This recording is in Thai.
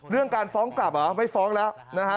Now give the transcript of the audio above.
เรื่องการฟ้องกลับไม่ฟ้องแล้วนะฮะ